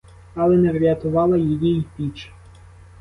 Але не врятувала її й піч.